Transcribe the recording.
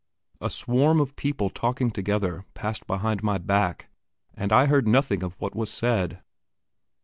A swarm of people talking together passed behind my back, and I heard nothing of what was said.